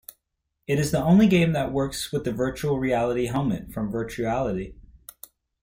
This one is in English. It is the only game that works with the virtual reality helmet from Virtuality.